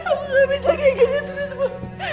aku gak bisa kayak gini terus bu